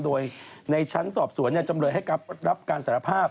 โดยในชั้นสอบสวนจำเลยให้รับการสารภาพ